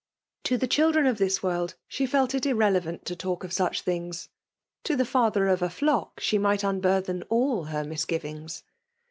To the children of this world, she felt it irrelevant to talk of such things ; to the father of a flock, she might unburthen all her misgivings